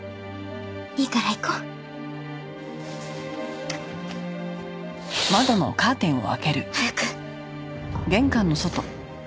いいから行こう。早く。